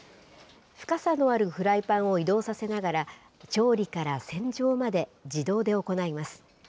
深さのあるフライパンを移動させながら、調理から洗浄まで自動で行います。